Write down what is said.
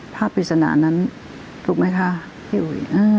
ภาพปริจนานั้นถูกไหมคะอ้าว